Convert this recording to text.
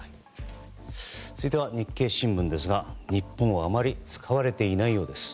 続いては日経新聞ですが日本はあまり使われていないようです。